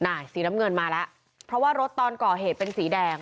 สีน้ำเงินมาแล้วเพราะว่ารถตอนก่อเหตุเป็นสีแดง